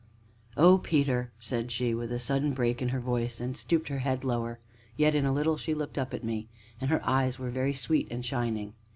"Oh, Peter!" said she, with a sudden break in her voice, and stooped her head lower. Yet in a little she looked up at me, and her eyes were very sweet and shining.